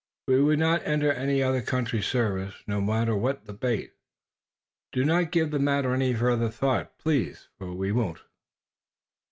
We would not enter any other country's service, no matter what the bait. Do not give the matter any further thought, please, for we won't."